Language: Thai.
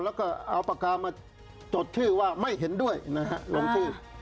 แล้วก็เอาปากกามาจดชื่อว่าไม่เห็นด้วยนะฮะลงชื่อ